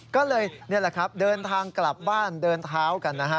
ก็เลยนี่แหละครับเดินทางกลับบ้านเดินเท้ากันนะฮะ